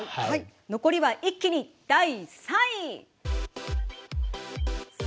残りは一気に第３位！